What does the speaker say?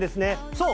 そう！